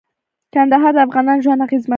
کندهار د افغانانو ژوند اغېزمن کوي.